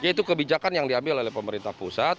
yaitu kebijakan yang diambil oleh pemerintah pusat